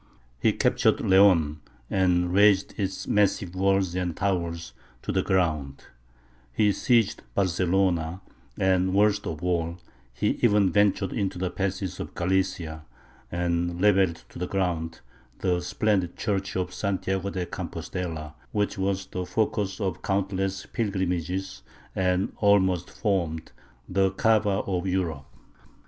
He captured Leon, and razed its massive walls and towers to the ground; he seized Barcelona; and, worst of all, he even ventured into the passes of Galicia, and levelled to the ground the splendid church of Santiago de Campostella, which was the focus of countless pilgrimages and almost formed the Kaaba of Europe.